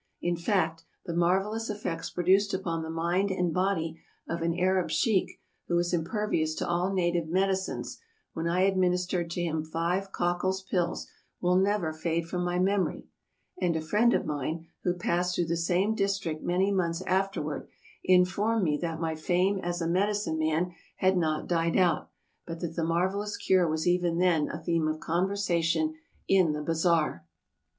In fact, the marvelous effects produced upon the mind and body of an Arab sheik, who was impervious to all native medicines, when I administered to him five Cockle's pills, will never fade from my memory, and a friend of mine, who passed through the same district many months afterward, informed me that my fame as a " medicine man " had not died out, but that the marvelous cure was even then a theme of conversation in the bazaar.